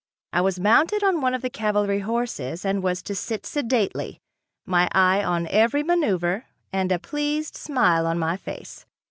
I was mounted on one of the cavalry horses and was to sit sedately, my eye on every maneuver and a pleased smile on my face.